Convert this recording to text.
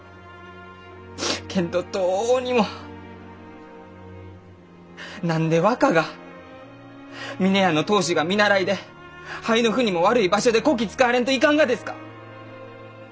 けんどどうにも何で若が峰屋の当主が見習いで肺の腑にも悪い場所でこき使われんといかんがですか！